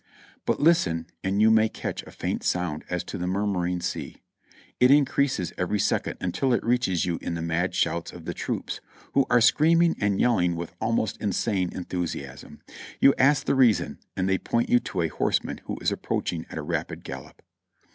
But listen and you may catch a faint sound as of the murmur ing sea. It increases every second until it reaches you in the mad shouts of the troops, who are screaming and yelling with almost insane enthusiasm. You ask the reason and they point you to a horseman who is approaching at a rapid gallop.